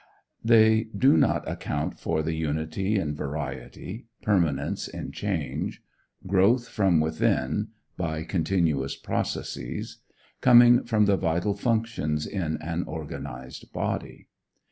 They do not account for the unity in variety, permanence in change, growth from within by continuous processes, coming from the vital functions in an organized body.